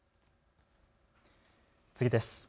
次です。